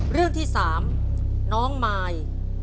เรื่องที่๓น้องมาย